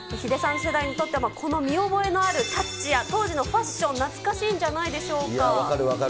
世代にとっても、この見覚えのあるタッチや当時のファッション、懐かしいんじゃな分かる、分かる。